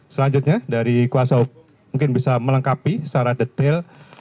selanjutnya dari kuasa hukum mungkin bisa melengkapi secara detail